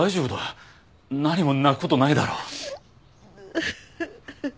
何も泣く事ないだろ。